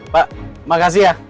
pak makasih ya